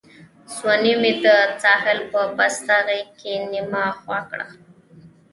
ځواني مي د ساحل په پسته غېږ کي نیمه خوا کړه